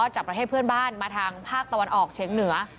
จากประเทศเพื่อนบ้านมาทางภาคตะวันออกเฉียงเหนือ